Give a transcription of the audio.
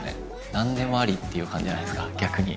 何でもありっていう感じじゃないですか逆に。